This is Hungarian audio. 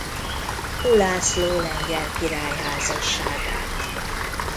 Ulászló lengyel király házasságát.